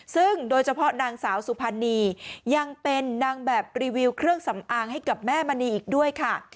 ซึ่งโดยเฉพาะนางสาวสุพรรณียังเป็นนางแบบรีวิวเครื่องสำอางให้กับแม่มณีอีกด้วยค่ะ